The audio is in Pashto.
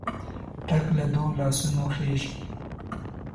ټک له دوو لاسونو خېژي.